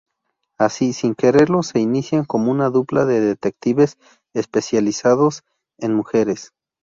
Así, sin quererlo, se inician como una dupla de detectives especializados en mujeres.